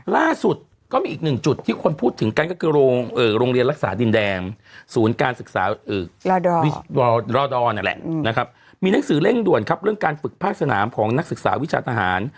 รอดออนแหละนะครับมีหนังสือเร่งด่วนครับเรื่องการฝึกภาคสนามของนักศึกษาวิชาทหาร